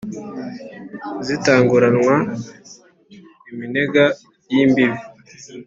zitanguranwa iminega y' imbibi